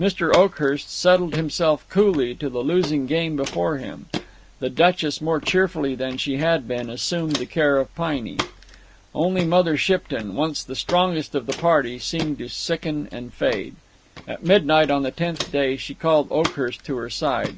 Mr. Oakhurst settled himself coolly to the losing game before him. The Duchess, more cheerful than she had been, assumed the care of Piney. Only Mother Shipton once the strongest of the party seemed to sicken and fade. At midnight on the tenth day she called Oakhurst to her side.